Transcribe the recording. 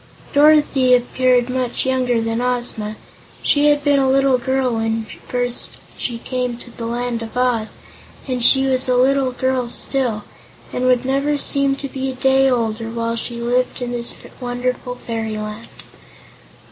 Dorothy appeared much younger than Ozma. She had been a little girl when first she came to the Land of Oz, and she was a little girl still, and would never seem to be a day older while she lived in this wonderful fairyland.